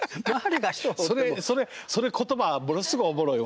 それそれそれ言葉ものすごいおもろいわ。